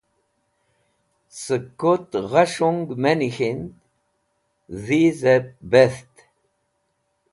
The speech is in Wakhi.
Sẽk kut gha shung me nik̃hind dhisẽb betht.